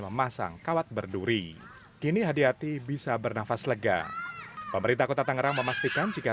memasang kawat berduri kini hadiati bisa bernafas lega pemerintah kota tangerang memastikan jika